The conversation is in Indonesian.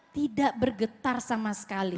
tidak bergetar sama sekali